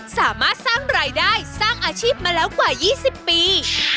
สามารถสร้างรายได้สร้างอาชีพมาแล้วกว่า๒๐ปี